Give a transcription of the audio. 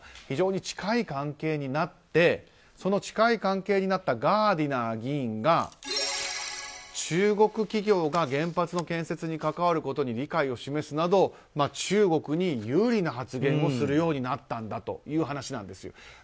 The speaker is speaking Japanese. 非常に近い関係になってその近い関係になったガーディナー議員が中国企業が原発の建設に関わることに理解を示すなど中国に有利な発言をするようになったという話なんです。